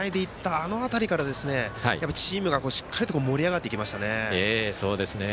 あの辺りから、チームがしっかりと盛り上がっていきましたね。